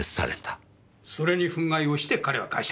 それに憤慨をして彼は会社を辞めた。